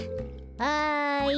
はい。